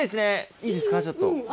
いいですかちょっと。